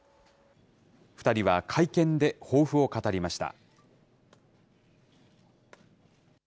２人は会見で抱負を語りました。